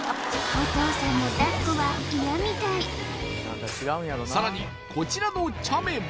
お父さんのだっこは嫌みたいさらにこちらのチャメも